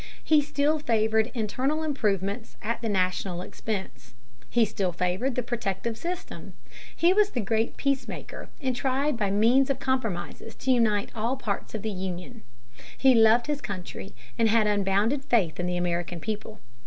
He still favored internal improvements at the national expense. He still favored the protective system. He was the great "peacemaker" and tried by means of compromises to unite all parts of the Union (p. 222). He loved his country and had unbounded faith in the American people.